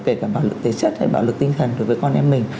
kể cả bạo lực tế chất hay bạo lực tinh thần đối với con em mình